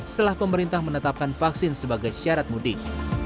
setelah pemerintah menetapkan vaksin sebagai syarat mudik